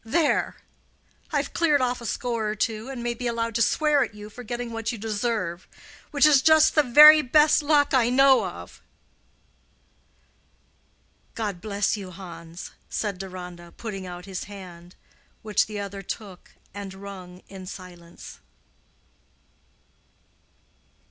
There! I've cleared off a score or two, and may be allowed to swear at you for getting what you deserve—which is just the very best luck I know of." "God bless you, Hans!" said Deronda, putting out his hand, which the other took and wrung in silence.